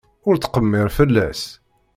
Ur ttqemmir fell-as.